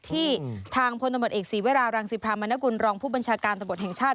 ที่ทางพลตำรวจเอกศีวรารังสิพรามนกุลรองผู้บัญชาการตำรวจแห่งชาติ